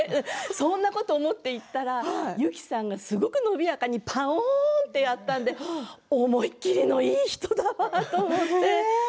そんなことを思っていったら由紀さんがすごく伸びやかにパオン！とやったので思い切りのいい人だなと思って。